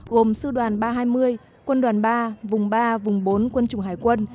gồm sư đoàn ba trăm hai mươi quân đoàn ba vùng ba vùng bốn quân chủng hải quân